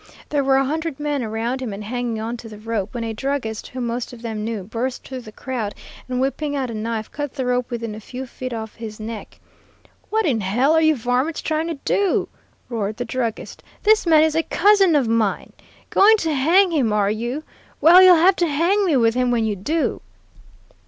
There were a hundred men around him and hanging on to the rope, when a druggist, whom most of them knew, burst through the crowd, and whipping out a knife cut the rope within a few feet of his neck. 'What in hell are you varments trying to do?' roared the druggist. 'This man is a cousin of mine. Going to hang him, are you? Well, you'll have to hang me with him when you do.'